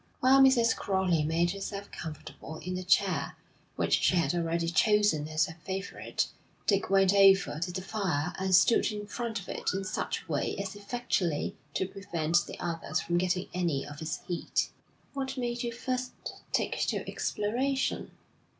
While Mrs. Crowley made herself comfortable in the chair, which she had already chosen as her favourite, Dick went over to the fire and stood in front of it in such a way as effectually to prevent the others from getting any of its heat. 'What made you first take to exploration?'